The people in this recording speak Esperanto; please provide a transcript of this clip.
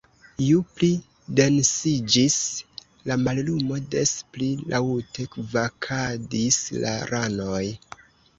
Ju pli densiĝis la mallumo, des pli laŭte kvakadis la ranoj.